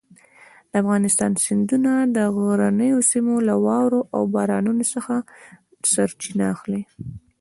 د افغانستان سیندونه د غرنیو سیمو له واورو او بارانونو څخه سرچینه اخلي.